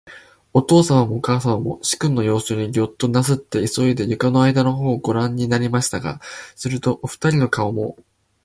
おとうさまもおかあさまも、始君のようすにギョッとなすって、いそいで、床の間のほうをごらんになりましたが、すると、おふたりの顔も、